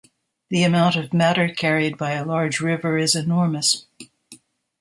The amount of matter carried by a large river is enormous.